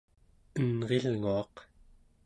enrilnguaq